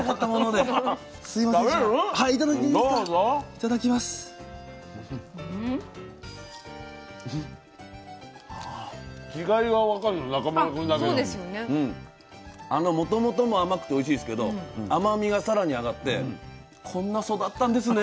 あそうですよね。もともとも甘くておいしいですけど甘みが更に上がってこんな育ったんですね。